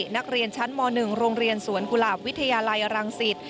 นักเรียนชั้นม๑โรงเรียนสวนกุหลาบวิทยาลัยรังสิต